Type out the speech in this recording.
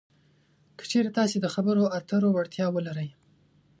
که چېرې تاسې د خبرو اترو وړتیا ولرئ